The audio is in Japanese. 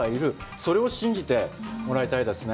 それを信じてもらいたいですね。